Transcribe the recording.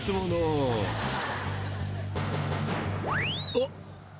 ［おっ！